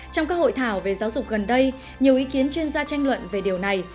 trong các hội thảo về giáo dục gần đây nhiều ý kiến chuyên gia tranh luận về điều này